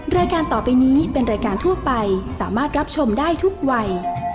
รายการต่อไปนี้เป็นรายการทั่วไปสามารถรับชมได้ทุกวัย